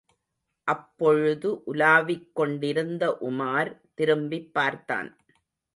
அப்பொழுது, உலாவிக் கொண்டிருந்த உமார் திரும்பிப் பார்த்தான்.